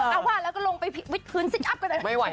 เอาหว่าแล้วก็ลงไปพิวิชพื้นสิ๊กอัพก่อนหน่อย